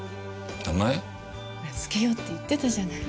つけようって言ってたじゃない。